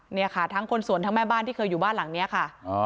เนี่ยค่ะทั้งคนสวนทั้งแม่บ้านที่เคยอยู่บ้านหลังนี้ค่ะ